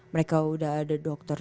mereka udah ada dokter